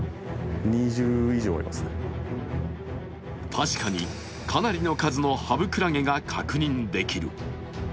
確かに、かなりの数のハブクラゲが確認できる。